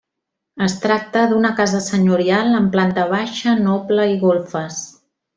Es tracta d'una casa senyorial amb planta baixa, noble i golfes.